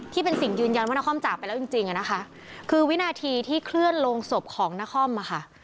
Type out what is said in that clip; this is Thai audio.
ที่เป็นสิ่งยืนยันว่านาคอมจากไปแล้วจริงคือวินาทีที่เคลื่อนลงศพของนาคอมมาค่ะ